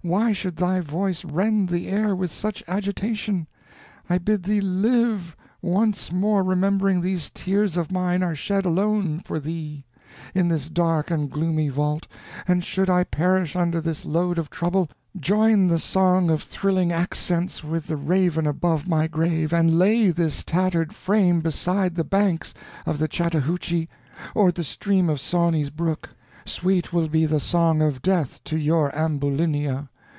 why should thy voice rend the air with such agitation? I bid thee live, once more remembering these tears of mine are shed alone for thee, in this dark and gloomy vault, and should I perish under this load of trouble, join the song of thrilling accents with the raven above my grave, and lay this tattered frame beside the banks of the Chattahoochee or the stream of Sawney's brook; sweet will be the song of death to your Ambulinia.